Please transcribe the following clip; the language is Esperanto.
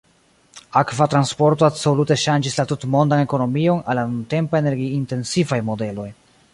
Akva transporto absolute ŝanĝis la tutmondan ekonomion al la nuntempa energi-intensivaj modeloj.